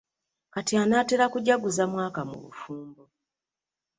Kati anaatera kujaguza mwaka mu bufumbo.